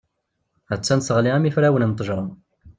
A-tt-an teɣli am yifrawen n ccejra.